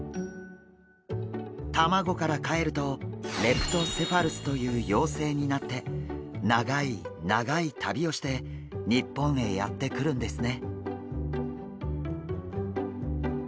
卵からかえるとレプトセファルスという幼生になって長い長い旅をして日本へやって来るんですね。